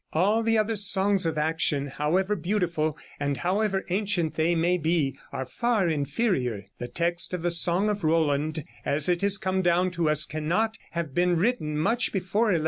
All the other songs of action, however beautiful and however ancient they may be, are far inferior. The text of the 'Song of Roland' as it has come down to us cannot have been written much before 1100.